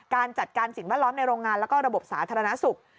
การจัดการสิ่งแวดล้อมในโรงงานแล้วก็ระบบสาธารณสุข